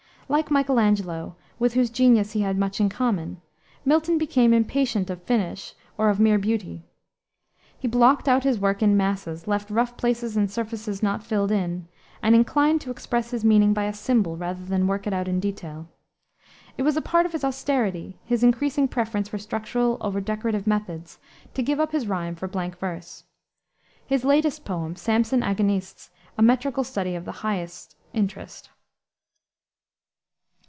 Like Michelangelo, with whose genius he had much in common, Milton became impatient of finish or of mere beauty. He blocked out his work in masses, left rough places and surfaces not filled in, and inclined to express his meaning by a symbol, rather than work it out in detail. It was a part of his austerity, his increasing preference for structural over decorative methods, to give up rime for blank verse. His latest poem, Samson Agonistes, a metrical study of the highest interest.